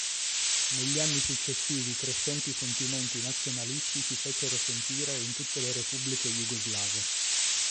Negli anni successivi crescenti sentimenti nazionalisti si fecero sentire in tutte le repubbliche jugoslave.